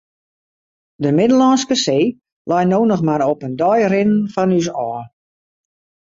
De Middellânske See lei no noch mar op in dei rinnen fan ús ôf.